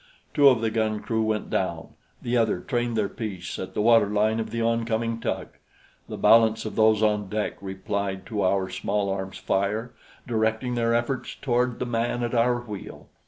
Two of the gun crew went down; the other trained their piece at the water line of the oncoming tug. The balance of those on deck replied to our small arms fire, directing their efforts toward the man at our wheel.